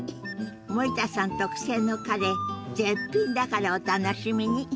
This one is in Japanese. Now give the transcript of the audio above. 森田さん特製のカレー絶品だからお楽しみに。